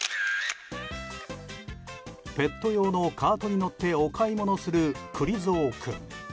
ペット用のカートに乗ってお買い物する、くり蔵君。